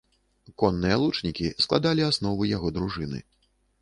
Конныя лучнікі складалі аснову яго дружыны.